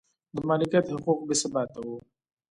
د مالکیت حقوق بې ثباته و